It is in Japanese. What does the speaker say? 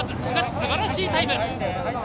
しかしすばらしいタイム。